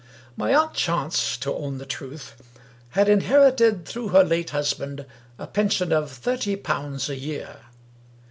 My aunt Chance, to own the truth, had inherited, through her late husband, a pension of thirty pounds a year.